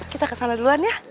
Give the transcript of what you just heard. kita kesana duluan ya